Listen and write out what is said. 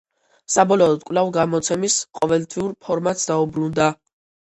საბოლოოდ, კვლავ, გამოცემის ყოველთვიურ ფორმატს დაუბრუნდა.